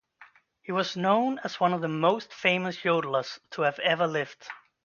He was known as one of the most famous yodelers to have ever lived.